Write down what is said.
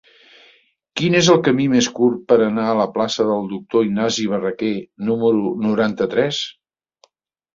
Quin és el camí més curt per anar a la plaça del Doctor Ignasi Barraquer número noranta-tres?